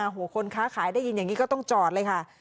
คนค้าขายได้ยินอย่างนี้ก็ต้องจอดเลยค่ะ